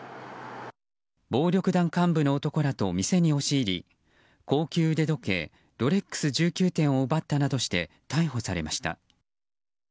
暴力団幹部の男らと店に押し入り高級腕時計ロレックス１９点を奪ったなどとして逮捕されました。